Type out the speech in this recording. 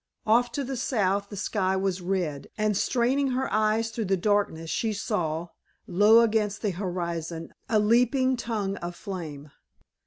Off to the south the sky was red, and straining her eyes through the darkness she saw, low against the horizon, a leaping tongue of flame.